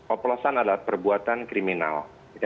oplosan adalah perbuatan kriminal